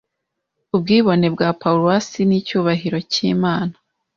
Ubwibone bwa pawusi nicyubahiro cyImana